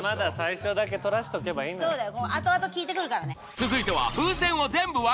続いては。